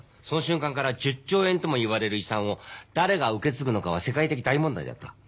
その瞬間から１０兆円ともいわれる遺産を誰が受け継ぐのかは世界的大問題だった。